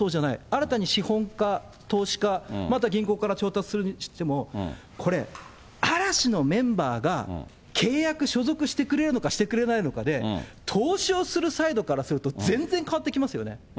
新たに資本家、投資家、また銀行から調達するにしても、これ、嵐のメンバーが契約、所属してくれるのか、してくれないのかで、投資をするサイドからすると、全然変わってきますよね。